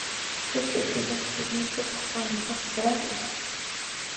كۆپ ئىزدىدۇق سىزنى بىز، تاپالمىدۇق بىرەر ئىز.